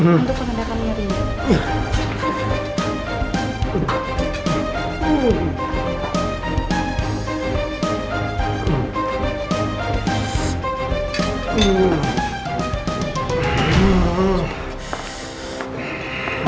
untuk pengendalian rizus